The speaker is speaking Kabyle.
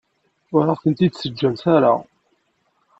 Ur aɣ-tent-id-teǧǧamt ara.